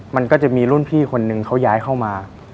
มันก็จะมีรุ่นพี่คนนึงเขาย้ายเข้ามา